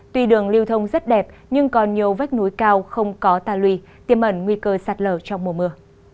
tuy đường lưu thông rất đẹp nhưng còn nhiều vách núi cao không có tà lùi tiêm ẩn nguy cơ sạt lở trong mùa mưa